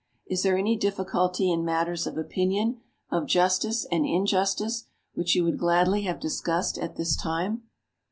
Is there any difficulty in matters of opinion, of justice and injustice, which you would gladly have discussed at this time?